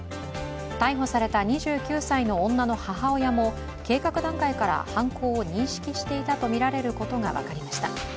逮捕された２９歳の女の母親も計画段階から犯行を認識していたとみられることが分かりました。